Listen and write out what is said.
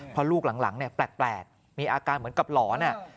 เพราะลูกหลังแปลกมีอาการเหมือนกับหลอน